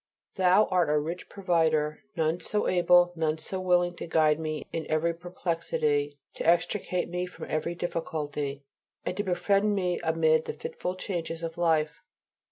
Thou art a rich provider. None so able, none so willing to guide me in every perplexity, to extricate me from every difficulty, and to befriend me amid the fitful changes of life.